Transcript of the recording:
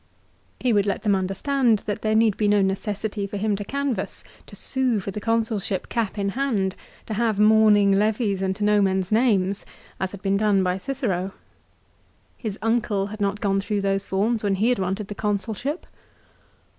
He would let them understand that there need be no necessity for him to canvas, to sue for the Consulship cap in hand, to have morning levies and to know men's names, as had been done by Cicero. His uncle had not gone through those forms when he had wanted the Consulship.